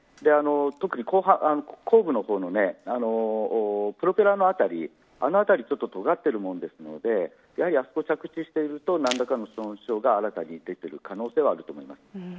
特に後部の方のプロペラの辺り、あの辺りちょっと尖っているものですので何らかの損傷が新たに出ている可能性はあると思います。